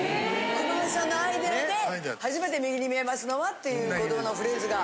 熊八さんのアイデアで初めて「右に見えますのは」っていうことのフレーズが。